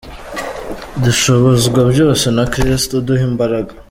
Dushobozwa byose na Kristo uduha imbaraga.